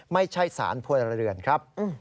ไม่ใช่สารพลเรือนครับ